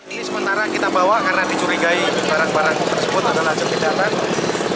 ini sementara kita bawa karena dicurigai barang barang tersebut adalah jepitan